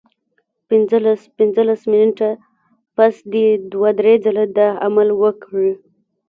پنځلس پنځلس منټه پس دې دوه درې ځله دا عمل وکړي